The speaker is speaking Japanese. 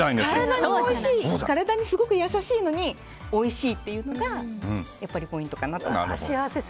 体にすごく優しいのにおいしいっていうのがポイントかなと思います。